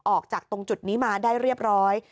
ออกจากตรงจุดนี้มาได้เรียบร้อย